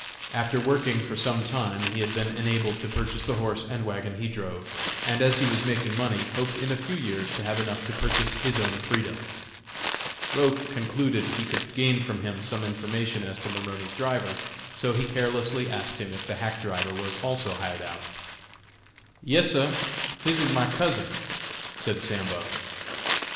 After working for some time he had been enabled to purchase the horse and wagon he drove, and as he was making money, hoped in a few years to have enough to purchase his own freedom. Roch concluded he could gain from him some information as to Maroney's driver, so he carelessly asked him if the hack driver was also hired out. "Yes, sah, him ib my cousin," said Sambo.